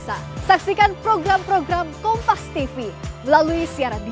bapak bapak jokowi dari banyuwangi